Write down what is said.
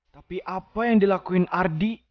tapi apa yang dilakuin ardi